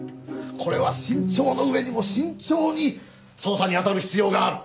これは慎重の上にも慎重に捜査にあたる必要がある。